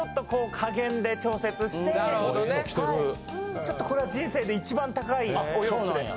ちょっとこれは人生で一番高いお洋服です。